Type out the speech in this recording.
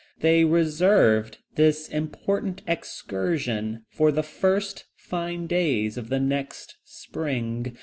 They reserved this important excursion for the first fine days of the next spring.